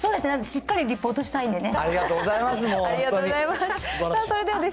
しっかりリポートしたいんでね。